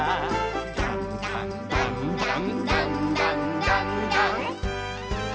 「だんだんだんだんだんだんだんだん」